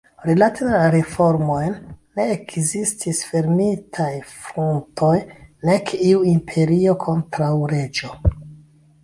Rilate la reformojn ne ekzistis fermitaj frontoj nek iu „imperio kontraŭ reĝo“.